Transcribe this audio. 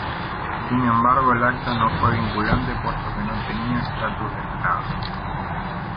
Sin embargo, el acta no fue vinculante puesto que no tenía estatus de tratado.